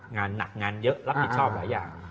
งานหนักงานเยอะรับผิดชอบหลายอย่าง